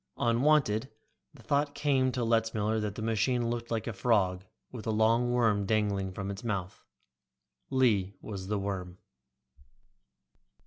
Unwanted, the thought came to Letzmiller that the machine looked like a frog with a long worm dangling from its mouth. Lee was the worm.